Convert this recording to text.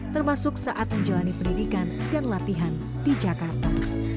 termasuk saat menjalani pendidikan dan latihan di jakarta